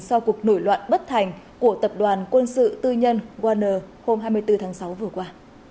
sau cuộc nổi loạn bất thành của tập đoàn quân sự tư nhân waner hôm hai mươi bốn tháng sáu vừa qua